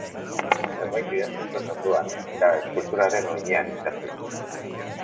Zerbait idatzi zuen orduan eta eskulturaren oinean itsatsi.